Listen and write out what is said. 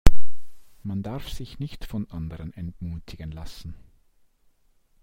Man darf sich nicht von anderen entmutigen lassen.